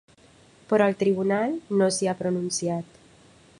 Però el tribunal no s’hi ha pronunciat.